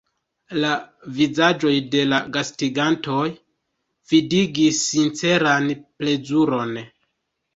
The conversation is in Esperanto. La vizaĝoj de la gastigantoj vidigis sinceran plezuron.